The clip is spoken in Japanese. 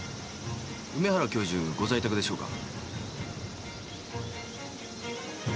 梅原教授ご在宅でしょうか？